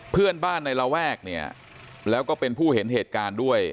เพื่อนบ้านในระแวกเนี่ยแล้วก็เป็นผู้เห็นเหตุการณ์ด้วย